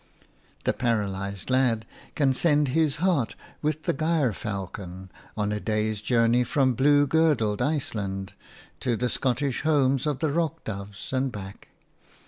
The paralysed lad can send his heart with the gyrfalcon on a day's journey from blue girdled Iceland to the Scottish homes of the rock doves and back.